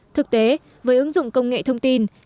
thực tế với ứng dụng công nghệ thông tin